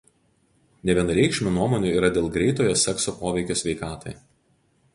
Nevienareikšmių nuomonių yra dėl greitojo sekso poveikio sveikatai.